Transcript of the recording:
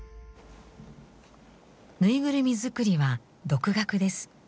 ぬいぐるみ作りは独学です。